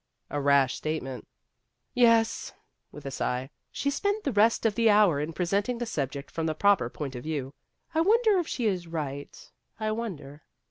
" A rash statement." " Yes," with a sigh ;" she spent the rest of the hour in presenting the subject from the proper point of view. I wonder if she is right I wonder."